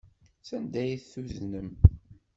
Sanda ay t-tuznem?